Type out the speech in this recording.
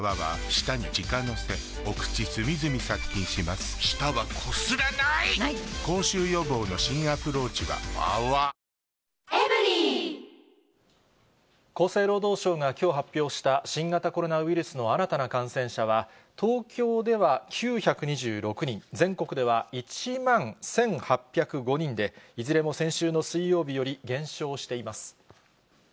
ゾンビ臭に新「アタック抗菌ＥＸ」厚生労働省がきょう発表した、新型コロナウイルスの新たな感染者は、東京では９２６人、全国では１万１８０５人で、いずれも先週の水曜日より減少しています。